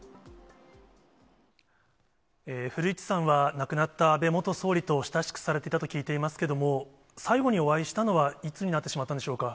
古市さんは、亡くなった安倍元総理と親しくされていたと聞いていますけれども、最後にお会いしたのは、いつになってしまったんでしょうか。